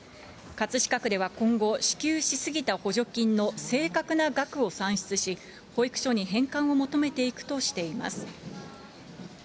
葛飾区では今後、支給し過ぎた補助金の正確な額を算出し、保育所に返還を求めていくとしています。